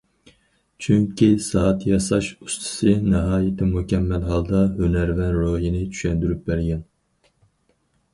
چۈنكى سائەت ياساش ئۇستىسى ناھايىتى مۇكەممەل ھالدا« ھۈنەرۋەن روھىنى» چۈشەندۈرۈپ بەرگەن.